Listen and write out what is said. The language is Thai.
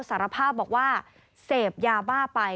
สารภาพบอกว่าเสพยาบ้าไป